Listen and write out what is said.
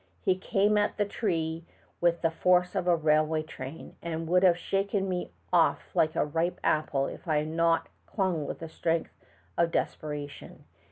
He came at the tree with the force of a railway train, and would have shaken me off like a ripe apple if I had not clung with the strength of des peration.